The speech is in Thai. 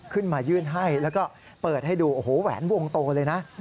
ขึ้นมายื่นให้แล้วก็เปิดให้ดูโอ้โหแหวนวงโตเลยนะ